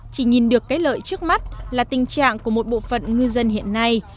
chỉ nhìn được cái lợi trước mắt là tình trạng của một bộ phận ngư dân hiện nay